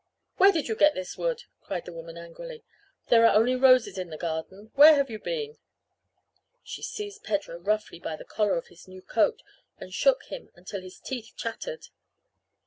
"Where did you get this wood?" cried the woman angrily. "There are only roses in the garden. Where have you been?" She seized Pedro roughly by the collar of his new coat and shook him until his teeth chattered.